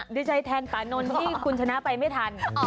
ดีใจแทนป่านนท์ที่คุณชนะไปไม่ทัน